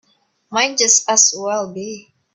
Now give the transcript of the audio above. Might just as well be.